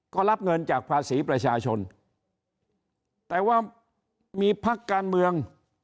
ก็รับเงินจากภาษีประชาชนแต่ว่ามีพักการเมือง